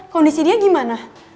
kondisi dia gimana